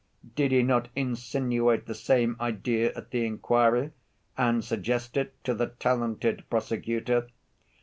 Did he not insinuate the same idea at the inquiry and suggest it to the talented prosecutor?